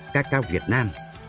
cà cao việt nam